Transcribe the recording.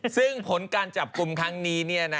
ซึ่งผลการจับกลุ่มครั้งนี้เนี่ยนะ